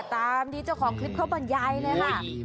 ตามที่เจ้าของคลิปเข้าบรรยายนะครับ